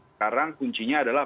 sekarang kuncinya adalah